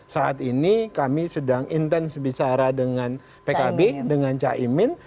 saat ini kami sedang intens bicara dengan pkb dengan caimin